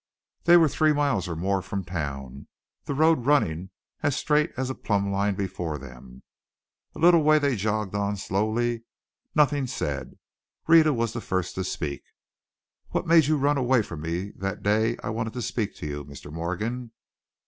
They were three miles or more from town, the road running as straight as a plumbline before them. A little way they jogged on slowly, nothing said. Rhetta was the first to speak. "What made you run away from me that day I wanted to speak to you, Mr. Morgan?"